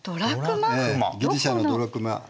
ギリシアのドラクマです。